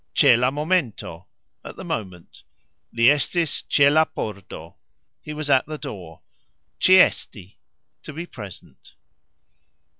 "Cxe la momento", At the moment. "Li estis cxe la pordo", He was at the door, "Cxeesti", To be present.